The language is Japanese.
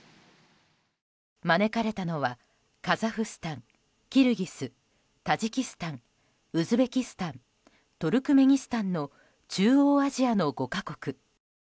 招かれたのは、カザフスタンキルギス、タジキスタンウズベキスタントルクメニスタンの中央アジアの５か国。